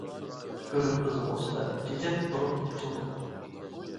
كۆرۈپ بىزمۇ سىلەرنى، چېچەك بولۇپ ئېچىلدۇق.